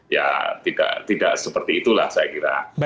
ya tidak seperti itulah saya kira